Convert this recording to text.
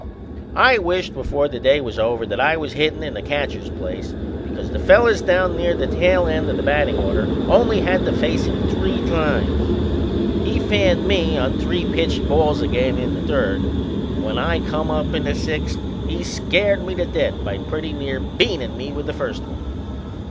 I wished before the day was over that I was hittin' in the catcher's place, because the fellers down near the tail end of the battin' order only had to face him three times. He fanned me on three pitched balls again in the third, and when I come up in the sixth he scared me to death by pretty near beanin' me with the first one.